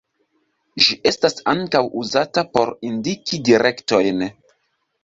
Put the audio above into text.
Ĝi estas ankaŭ uzata por indiki direktojn.